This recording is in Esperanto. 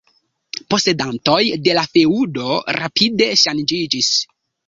Posedantoj de la feŭdo rapide ŝanĝiĝis.